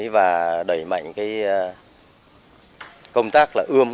và đẩy mạnh công tác ươm